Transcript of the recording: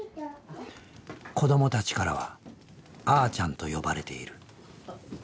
子どもたちからは「あーちゃん」と呼ばれている。